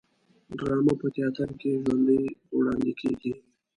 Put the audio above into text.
ډرامه په تیاتر کې ژوندی وړاندې کیږي